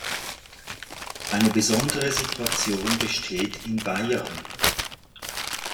Eine besondere Situation besteht in Bayern.